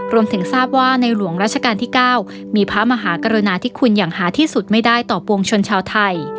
ทราบว่าในหลวงราชการที่๙มีพระมหากรุณาที่คุณอย่างหาที่สุดไม่ได้ต่อปวงชนชาวไทย